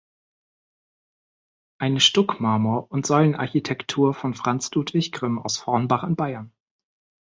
Eine Stuckmarmor- und Säulenarchitektur von Franz Ludwig Grimm aus Vornbach in Bayern.